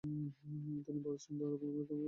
তিনি ভারত, সিন্ধু, আরব ও অনারবের নেতা’।